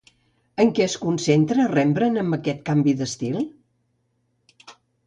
En què es concentra Rembrandt amb aquest canvi d'estil?